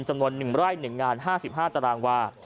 จำนวน๑ไร่๑งาน๕๕ตารางวา